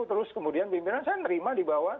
terus kemudian pimpinan saya nerima di bawah